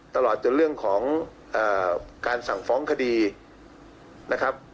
ตลอดจนเรื่องของการสั่งฟ้องคดีนะครับ